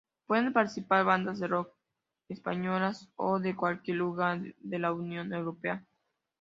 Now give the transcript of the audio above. Pueden participar bandas de rock españolas o de cualquier lugar de la Unión Europea.